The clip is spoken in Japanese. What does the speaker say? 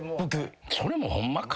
それもホンマか？